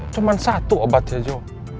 cuman satu obat ya jo